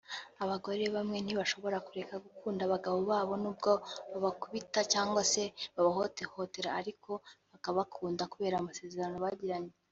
Abagore bamwe ntibashobora kureka gukunda abagabo babo nubwo babakubita cyangwa se bakabahohotera ariko bakabakunda kubera amasezerano bagiranye